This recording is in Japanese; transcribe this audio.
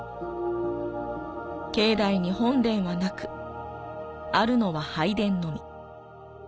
境内に本殿はなく、あるのは拝殿のみ。